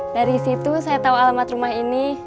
dari situ saya tahu alamat rumah ini